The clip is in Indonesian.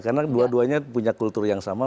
karena dua duanya punya kultur yang sama